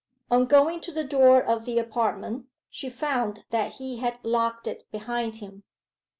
On going to the door of the apartment she found that he had locked it behind him.